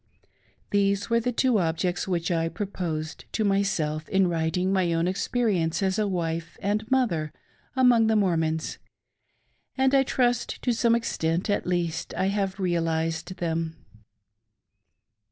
These were the two objects which I proposed to myself in writing my own experience as a wife and mother among the Mormons, and I trust to some extent at least I have realised them.